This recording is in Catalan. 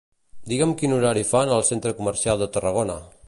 Digue'm quin horari fan al centre comercial de Tarragona.